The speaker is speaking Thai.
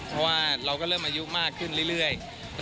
เพราะว่าเราก็เริ่มอายุมากขึ้นเรื่อย